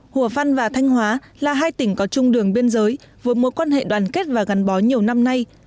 hùa văn và thanh hóa là hai tỉnh có chung đường biên giới với mối quan hệ đoàn kết và gắn bó nhiều năm nay